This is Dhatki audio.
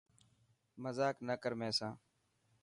مزاڪ نه ڪر مين سان.